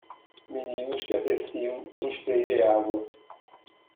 Meninos que apreciam um spray de água.